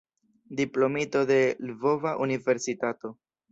Diplomito de Lvova Universitato.